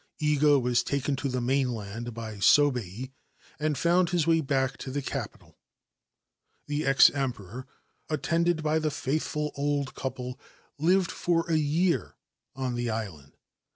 Iga was taken to 1 mainland by Sobei, and found his way back to the capit The ex Emperor, attended by the faithful old couj lived for a year on the island.